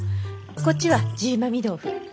こっちはジーマミー豆腐。